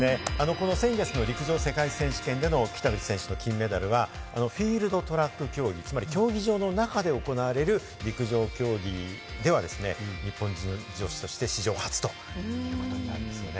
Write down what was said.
この先月の陸上世界選手権での北口選手の金メダルは、フィールド・トラック競技つまり競技場の中で行われる陸上競技ではですね、日本人女子としては史上初ということになるんですよね。